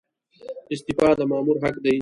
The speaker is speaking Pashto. استعفا د مامور حق دی